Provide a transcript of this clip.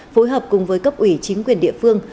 phối hợp cùng với cấp ủy chính quyền địa phương